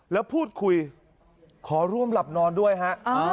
แล้วพูดคุยขอร่วมหลับนอนด้วยฮะ